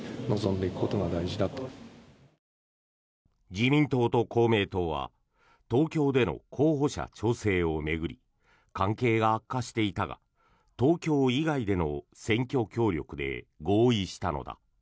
自民党と公明党は東京での候補者調整を巡り関係が悪化していたが東京以外での選挙協力で合意したのだ。